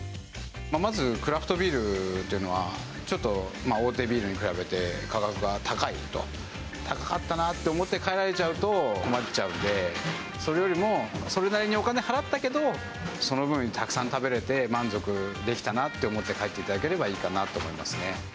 まず、クラフトビールというのは、ちょっと大手ビールに比べて価格が高いと、高かったなと思って帰られちゃうと困っちゃうので、それよりも、それなりにお金払ったけど、その分たくさん食べれて、満足できたなって思って帰っていただければいいかなと思いますね。